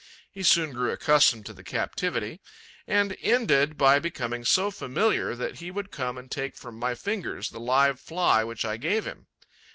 He soon grew accustomed to captivity and ended by becoming so familiar that he would come and take from my fingers the live Fly which I gave him.